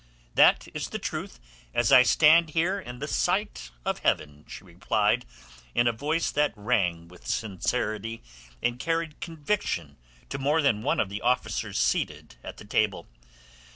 "That is the truth as I stand here in the sight of Heaven," she replied in a voice that rang with sincerity and carried conviction to more than one of the officers seated at that table.